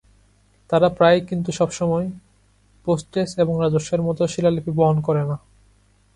তারা প্রায়ই কিন্তু সবসময় "পোস্টেজ এবং রাজস্ব" এর মত শিলালিপি বহন করে না।